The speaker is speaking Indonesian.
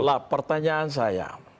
nah pertanyaan saya